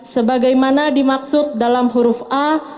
semanuel dima'sut dalam huruf a